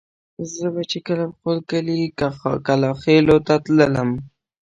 زه به چې کله خپل کلي کلاخېلو ته تللم.